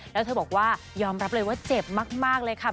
แล้วเธอบอกว่ายอมรับเลยว่าเจ็บมากเลยค่ะ